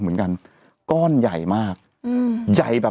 เราก็มีความหวังอะ